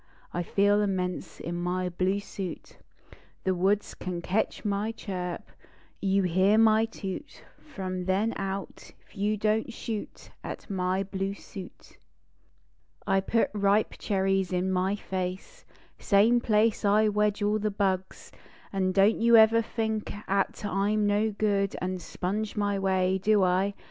I feel immense In my bine suit. The woods can ketch my chirp ; You hear my toot r rom then out T you don t shoot At my blue suit. I put ripe cherries in my face, Same place I wedge all the bugs ; An don t you ever think At I m no good An sponge my way. Do I?